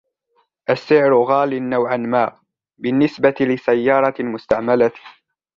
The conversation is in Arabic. السعر غالي نوعاً ما بالنسبة لسيارة مستعملة.